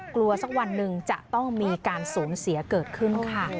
สักวันหนึ่งจะต้องมีการสูญเสียเกิดขึ้นค่ะ